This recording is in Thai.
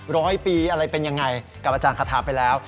ร้อยปีอะไรเป็นยังไงกับอาจารย์คาทาไปแล้ว